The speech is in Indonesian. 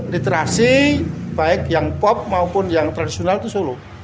literasi baik yang pop maupun yang tradisional itu solo